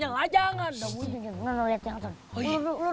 ya nggak nyangka biar kamu itu mau ada